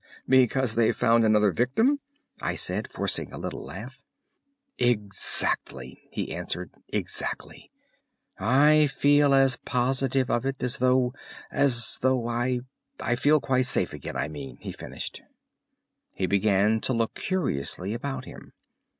"Because 'They've found another victim'?" I said, forcing a little laugh. "Exactly," he answered, "exactly! I feel as positive of it as though—as though—I feel quite safe again, I mean," he finished. He began to look curiously about him.